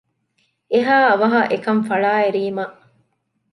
އެހާ އަވަހަށް އެކަން ފަޅާއެރީމަ